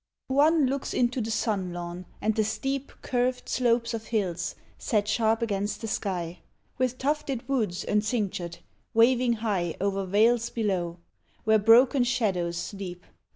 One looks into the sun lawn, and the steep Curved slopes of hills, set sharp against the sky, With tufted woods encinctured, waving high O'er vales below, where broken shadows sleep.